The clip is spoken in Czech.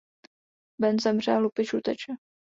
Ben zemře a lupič uteče.